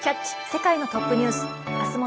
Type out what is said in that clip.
世界のトップニュース」。